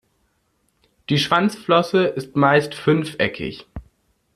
Die Schwanzflosse ist meist fünfeckig.